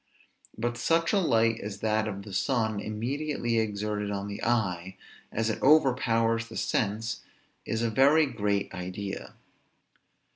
But such a light as that of the sun, immediately exerted on the eye, as it overpowers the sense, is a very great idea.